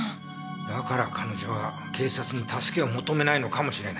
だから彼女は警察に助けを求めないのかもしれない。